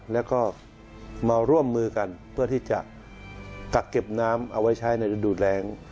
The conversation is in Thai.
แล้วก็มาร่วมมือกันเพื่อที่จะกักเก็บน้ำเอาไว้ใช้ในฤดูแรง